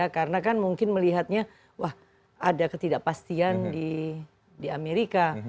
karena kan mungkin melihatnya wah ada ketidakpastian di amerika